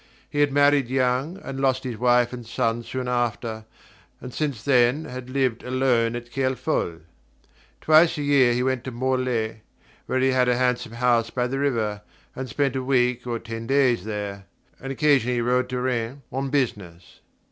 He had married young and lost his wife and son soon after, and since then had lived alone at Kerfol. Twice a year he went to Morlaix, where he had a handsome house by the river, and spent a week or ten days there; and occasionally he rode to Rennes on business.